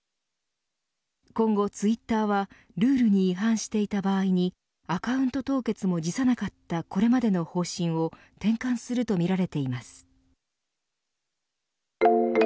今後ツイッターはルールに違反していた場合にアカウント凍結も辞さなかったこれまでの方針を転換するとみられています。